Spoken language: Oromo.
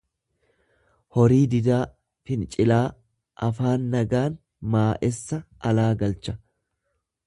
horii didaa, fincilaa; Afaan nagaan maa'essa alaa galcha.